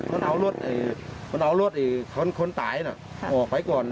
มันเอารถมันเอารถคนตายออกไปก่อน